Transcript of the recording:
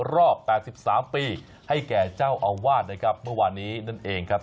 รอบ๘๓ปีให้แก่เจ้าอาวาสนะครับเมื่อวานนี้นั่นเองครับ